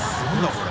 これ。